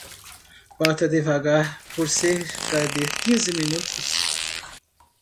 Bata devagar por cerca de quinze minutos.